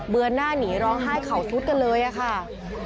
ือนหน้าหนีร้องไห้เข่าซุดกันเลยอะค่ะ